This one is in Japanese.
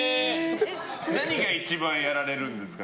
何が一番やられるんですか